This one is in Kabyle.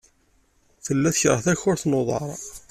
Tella tekṛeh takurt n uḍar.